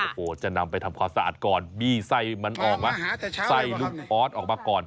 โอ้โหจะนำไปทำความสะอาดก่อนบี้ไส้มันออกมาใส่ลูกออสออกมาก่อน